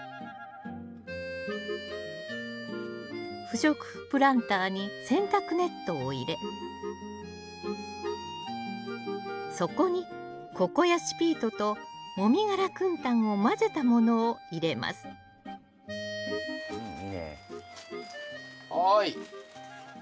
不織布プランターに洗濯ネットを入れそこにココヤシピートともみ殻くん炭を混ぜたものを入れますうんいいね。